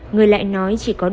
người lại nói chỉ có đúng